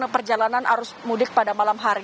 perjalanan arus mudik pada malam hari